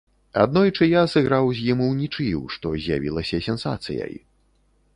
Аднойчы я сыграў з ім унічыю, што з'явілася сенсацыяй.